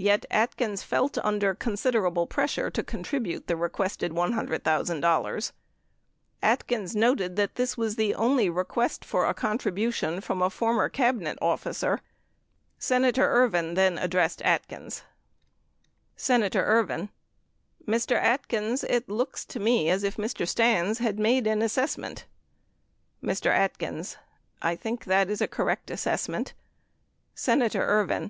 Yet, Atkins felt under considerable pressure to contribute the requested $100,000. Atkins noted that this was the only request for a contribution from a former Cabinet officer. 47 Sena tor Ervin then addressed Atkins : Senator Ervin. Mr. Atkins, it looks to me as if Mr. Stans had made an assessment. Mr. Atkins. I think that is a correct assessment. Senator Ervin.